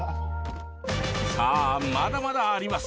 さあまだまだあります。